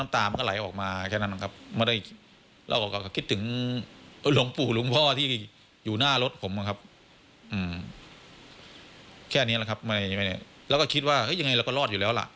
ตอนไหนฉะนั้นนะ